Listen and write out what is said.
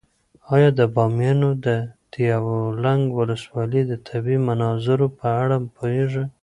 ایا د بامیانو د یکاولنګ ولسوالۍ د طبیعي مناظرو په اړه پوهېږې؟